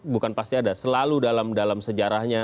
bukan pasti ada selalu dalam sejarahnya